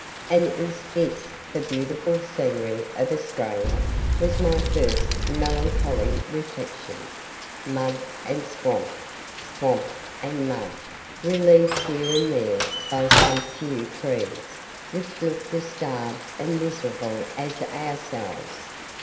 "And is THIS the beautiful scenery of Australia?" was my first melancholy reflection. Mud and swamp swamp and mud relieved here and there by some few trees which looked as starved and miserable as ourselves.